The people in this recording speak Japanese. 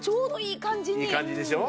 いい感じでしょ？